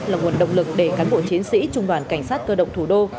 là nguồn động lực để cán bộ chiến sĩ trung đoàn cảnh sát cơ động thủ đô